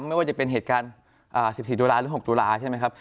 ไม่ว่าจะเป็นเหตุการณ์๑๔ตุลาหรือ๖ตุลาใช่ไหมครับ